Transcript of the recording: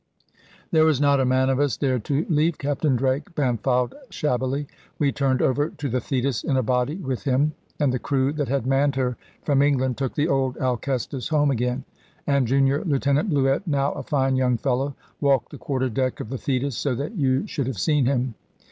There was not a man of us dared to leave Captain Drake Bampfylde shabbily. We turned over to the Thetis, in a body, with him; and the crew that had manned her from England took the old Alcestis home again. And junior Lieutenant Bluett, now a fine young fellow, walked the quarter deck of the Thetis, so that you should have seen him.